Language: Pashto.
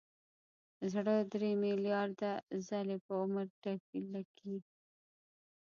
زړه درې ملیارده ځلې په عمر ټکي.